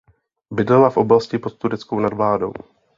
Bydlela v oblasti pod tureckou nadvládou.